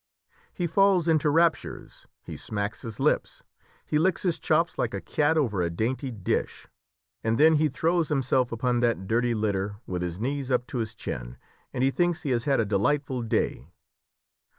He falls into raptures, he smacks his lips, he licks his chops like a cat over a dainty dish, and then he throws himself upon that dirty litter, with his knees up to his chin, and he thinks he has had a delightful day!